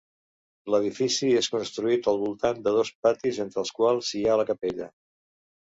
L'edifici és construït al voltant de dos patis entre els quals hi ha la capella.